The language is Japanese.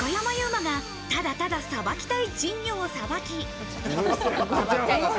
馬が、ただただ、さばきたい珍魚をさばき。